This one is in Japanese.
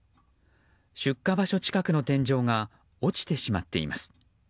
出火場所近くの天井が落ちてしまっています。